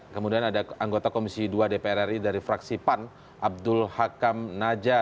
kemudian ada anggota komisi dua dpr ri dari fraksi pan abdul hakam naja